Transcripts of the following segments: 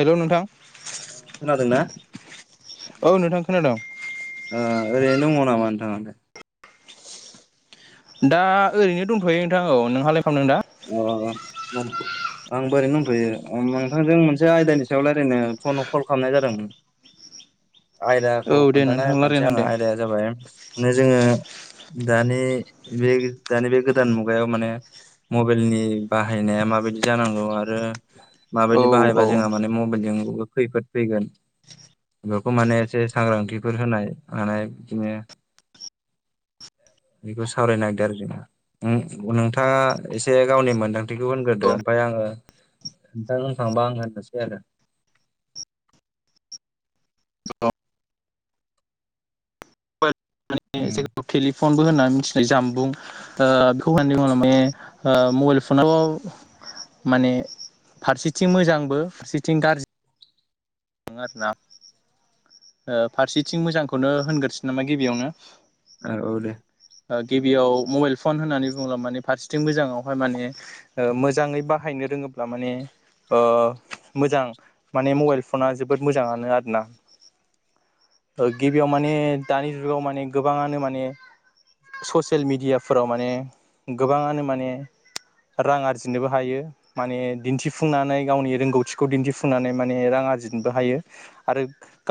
हेल' नोंथां खोनादोंना? औ नोंथां खोनादों। ओ ओरैनो दङ' नामा नोंथाङा दा? दा ओरैनो दंथ'यो नोंथां औ नोंहालाय खालामदों दा ओ आंबो ओरैनो दंथ'यो‌। नोंथांजों मोनसे आयदानि सायाव रायलायनो फ'न कल खालामनाय जादों। आयदाखौ औ दे खोन्थाना नोंथां होखानोसै रायलायनो आङो हादों आयदाया जाबाय माने जोङो दानि बे दानि बे गोदान मुगायाव माने मबाइलनि बाहायनाया माबायदि जानांगौ आरो औ माबायदि बाहायबा जोंहा औ माने मबाइलजों बो खैफोद फैगोन। बेफोरखौ माने एसे सांग्रांथिफोर होनाय मानाय बिदिनो बेखौ सावरायनो नागिरदों आरो [inaudible] नोंथाङा एसे गावनि मोनदांथिखौ होनग्रोदो ओमफाय आङो नोंथां होनखांबा आं होननोसै आरो। उम [unintelligible] फनबो होननानै मिथिनाय जामबुं ओ बेखौ होननानै बुङोब्ला माने ओ मबाइल फनाव माने फारसेथिं मोजांबो फारसेथिं गारजि आरोना। ओ फारसेथिं मोजांखौनो होनग्रोनोसै नामा गिबियावनो ओ औ दे गिबियाव मबाइल फन होननानै बुङोब्ला माने फारसेथिं मोजाङावहाय माने ओ मोजाङै बाहायनो रोङोब्ला माने ओ मोजां। माने मबाइल फ'ना जोबोद मोजाङानो आरोना। गिबियाव माने दानि जुगाव माने गोबाङानो माने ससियेल मिडियाफोराव माने गोबाङानो माने रां आरजिनोबो हायो। माने दिन्थिफुंनानै गावनि रोंगौथिखौ दिन्थिफुंनानै माने रां आ आरजिनोबो हायो आरो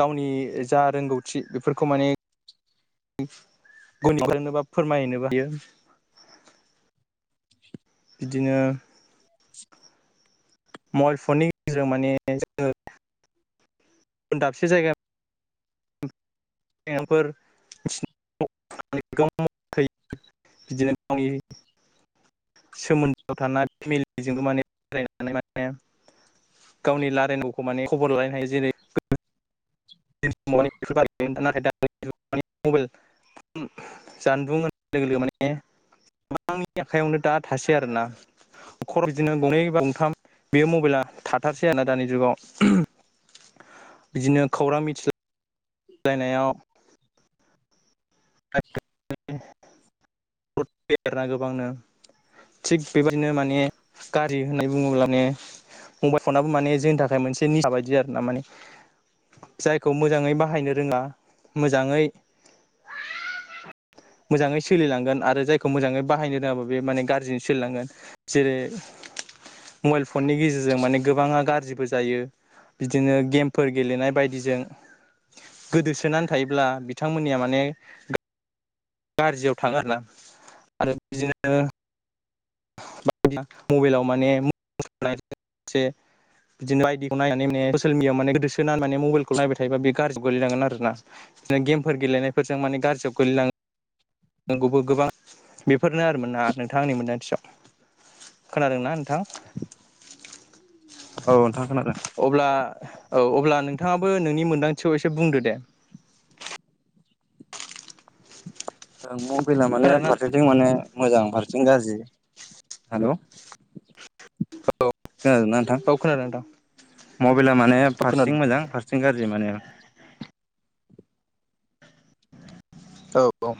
गावनि जा रोंगौथि बेफोरखौ माने [unintelligible] नोबा फोरमायनोबो हायो। बिदिनो [unintelligible] मबाइल फननि गेजेरजों माने जोङो गुबुन दाबसे जायगा फोर [unintelligible] बिदिनो [unintelligible] सोमोन्दोआव थानाय फेमिलिजोंबो माने बेरायनानै माने गावनि लारायन'खौ माने खबर लालायनो हायो जेरै [unintelligible] नाथाय दा मबाइल जानबुं होननाय लोगो लोगो माने आंनि आखायावनो दा थासै आरोना। खम बिदिनो गंनै बा गंथाम बेयो मबाइला थाथारसै आरोना दानि जुगाव। बिदिनो खौरां मिथिला बायनायाव [unintelligible] [unintelligible] गोबांनो थिग बेबायदिनो माने गारि होननाय बुङोब्ला मे मबाइल फनाबो माने जोंनि थाखाय मोनसे निसा बायदि आरो ना माने जायखौ मोजाङै बाहायनो रोङा मोजाङै मोजाङै सोलिलांगोन आरो जाय खौ मोजाङै बाहायनो रोङाबा बियो माने गाज्रिजों सोलिलांगोन जैरै मबाइल फननि गेजेरजों माने गोबाङा गाज्रिबो जायो बिदिनो गेमफोर गेलेनाय बायदिजों गोदोसोनानै थायोब्ला बिथांमोननिया माने गाज्रियाव थाङो आरोना आरो बिदिनो मबाइलाव माने बिदिनो बाइदिखौ नायनानै माने ससेल मिडियाआव माने गोदोसोनानै माने मबाइल खौ नायबाय थायोबा बे गाज्रि गोलैनांगोन आरो ना गेमफोर गेलेनायफोरजों माने गाज्रियाव गोगलैनाङो नंगौबो गोबां बेफोरनो आरो मोन ना नोंथां आंनि मोन्दांथियाव खोनादोंना नोंथां औ नोंथां खोनादों अब्ला औ अब्ला नोंथाङाबो नोंनि मोन्दांथियाव एसे बुंदो दे ओ मबाइला माने खोनादोंना फारसेथिं माने मोजां फारथिं गाज्रि हेल' औ खोनादोंना नोंथां औ खोनादों नोंथां मबाइला माने औ खोनादों फारससिं मोजां फारसेथिं गाज्रि माने औ औ